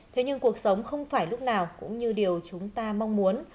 thế nhưng cuộc sống không phải lúc nào cũng như điều chúng ta mong muốn